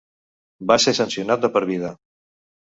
Va ser sancionat de per vida.